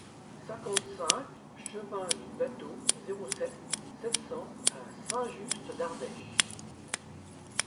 cinquante-cinq chemin du Bâteau, zéro sept, sept cents à Saint-Just-d'Ardèche